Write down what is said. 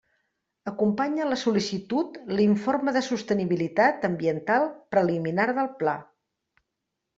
Acompanya la sol·licitud l'informe de sostenibilitat ambiental preliminar del Pla.